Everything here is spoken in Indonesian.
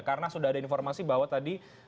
karena sudah ada informasi bahwa tadi